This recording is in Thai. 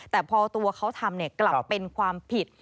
แต่พอตัวเขาทำกลับเป็นความผิด